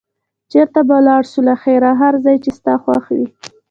چېرته به ولاړ شو له خیره؟ هر ځای چې ستا خوښ وي.